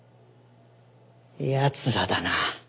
奴らだな。